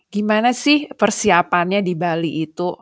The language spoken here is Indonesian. gimana sih persiapannya di bali itu